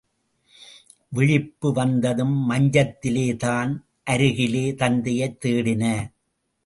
விழிப்பு வந்ததும், மஞ்சத்திலே தன் அருகிலே தத்தையைத் தேடின.